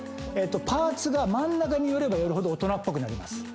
パーツが真ん中に寄れば寄るほど大人っぽくなります。